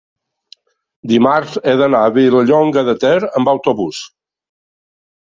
dimarts he d'anar a Vilallonga de Ter amb autobús.